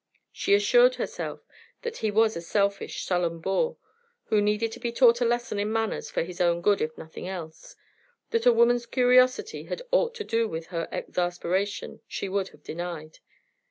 She assured herself that he was a selfish, sullen boor, who needed to be taught a lesson in manners for his own good if for nothing else; that a woman's curiosity had aught to do with her exasperation she would have denied.